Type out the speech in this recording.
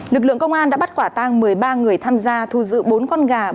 lực lượng công an đã bắt quả tang một mươi ba người tham gia thu giữ bốn con gà